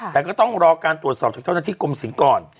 แต่ก็ต้องรอการตรวจสอบจากเจ้าหน้าที่กรมศิลป์ก่อน